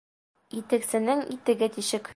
Итексенең итеге тишек